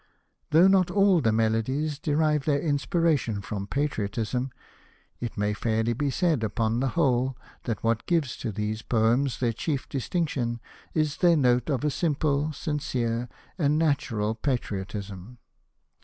Though not all the Melodies derive their inspira ^ tion from patriotism, it may fairly be said upon the whole that what gives to these poems their chief distinction is their note of a simple, sincere, and natural patriotism.